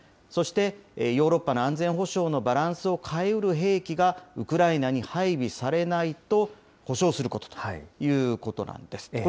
そして、ヨーロッパの安全保障のバランスを変えうる兵器がウクライナに配備されないと保証することということなんです。